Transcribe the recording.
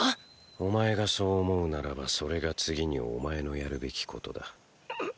⁉お前がそう思うならばそれが次にお前のやるべきことだ。ッ！